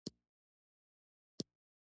زه په پوهنتون کي اول نمره فارغ سوی یم